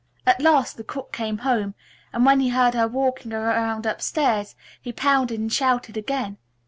At last the cook came home and when he heard her walking around upstairs he pounded and shouted again.